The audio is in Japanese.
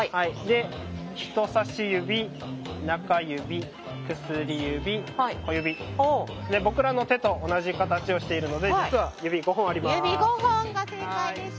実は僕らの手と同じ形をしているので実は指５本あります。